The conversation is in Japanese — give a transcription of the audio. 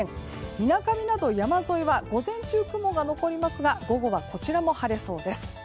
みなかみなど山沿いは午前中、雲が残りますが午後は、こちらも晴れそうです。